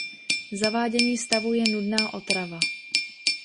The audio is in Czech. Zavádění stavu je nudná otrava.